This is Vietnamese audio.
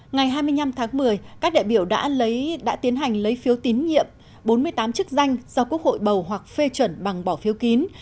ngày hai mươi năm tháng một mươi các đại biểu đã tiến hành lấy phiếu tín nhiệm bốn mươi tám chức danh do quốc hội bầu hoặc phê chuẩn bằng bỏ phiếu kín